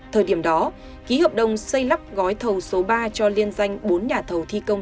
thời điểm đó ký hợp đồng xây lắp gói thầu số ba cho liên danh bốn nhà thầu thi công